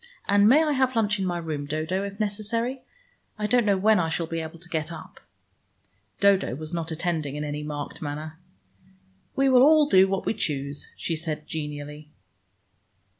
And may I have lunch in my room, Dodo, if necessary? I don't know when I shall be able to get up." Dodo was not attending in any marked manner. "We will all do what we choose," she said genially.